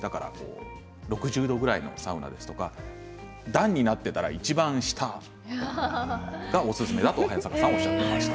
６０度くらいのサウナですとか段になっていたら、いちばん下そちらがおすすめだと早坂さんはおっしゃっていました。